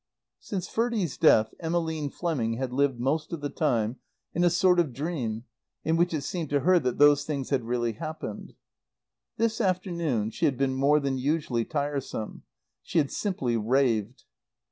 Since Ferdie's death Emmeline Fleming had lived most of the time in a sort of dream in which it seemed to her that these things had really happened. This afternoon she had been more than usually tiresome. She had simply raved.